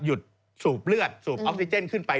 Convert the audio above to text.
หยุดสูบเลือดสูบออกซิเจนขึ้นไป